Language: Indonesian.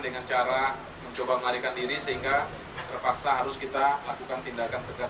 dengan cara mencoba melarikan diri sehingga terpaksa harus kita lakukan tindakan tegas